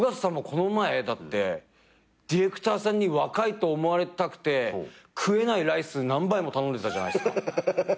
この前ディレクターさんに若いと思われたくて食えないライス何杯も頼んでたじゃないっすか。